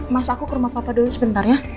mas aku ke rumah papa dulu sebentar ya